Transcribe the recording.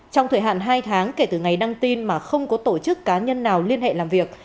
trong thời hạn hai tháng kể từ ngày đăng tin mà không có tổ chức cá nhân nào liên hệ làm việc